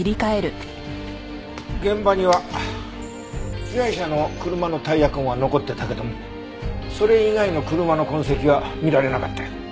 現場には被害者の車のタイヤ痕は残ってたけどもそれ以外の車の痕跡は見られなかったよ。